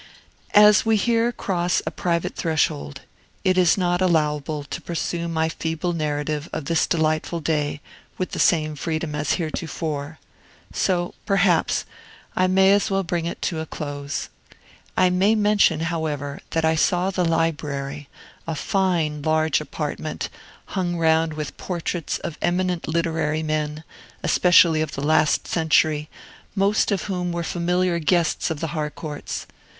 As we here cross a private threshold, it is not allowable to pursue my feeble narrative of this delightful day with the same freedom as heretofore; so, perhaps, I may as well bring it to a close. I may mention, however, that I saw the library, a fine, large apartment, hung round with portraits of eminent literary men, principally of the last century, most of whom were familiar guests of the Harcourts.